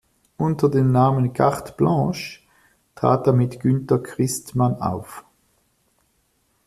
Unter dem Namen Carte Blanche trat er mit Günter Christmann auf.